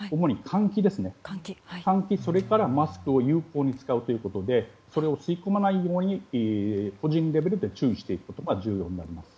換気とマスクを有効に使うということでそれを吸い込まないように個人レベルで注意することが大事になります。